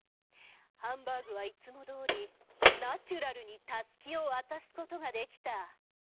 ハンバーグはいつもどおりナチュラルにたすきを渡す事ができた。